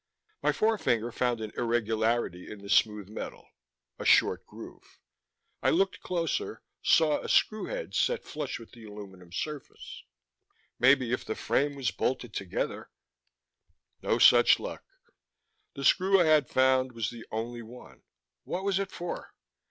My forefinger found an irregularity in the smooth metal: a short groove. I looked closer, saw a screw head set flush with the aluminum surface. Maybe if the frame was bolted together No such luck; the screw I had found was the only one. What was it for?